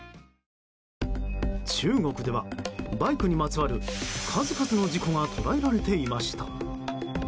中国では、バイクにまつわる数々の事故が捉えられていました。